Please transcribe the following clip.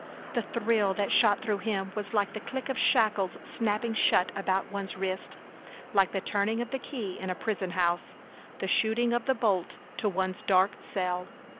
The thrill that shot through him was like the click of shackles snapping shut about one's wrist; like the turning of the key in a prison house; the shooting of the bolt to one's dark cell.